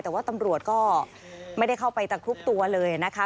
แต่ว่าตำรวจก็ไม่ได้เข้าไปตะครุบตัวเลยนะคะ